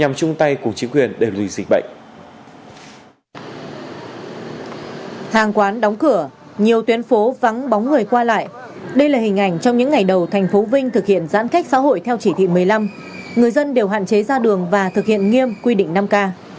hàng quán đóng cửa nhiều tuyến phố vắng bóng người qua lại đây là hình ảnh trong những ngày đầu thành phố vinh thực hiện giãn cách xã hội theo chỉ thị một mươi năm người dân đều hạn chế ra đường và thực hiện nghiêm quy định năm k